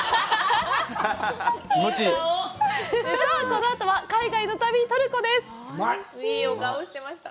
このあとは海外の旅、トルコです。